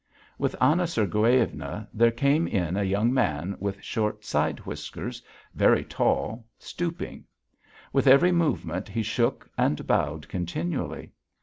With Anna Sergueyevna there came in a young man with short side whiskers, very tall, stooping; with every movement he shook and bowed continually.